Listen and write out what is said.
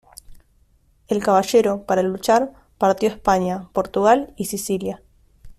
El Caballero, para luchar, partió a España, Portugal y Sicilia.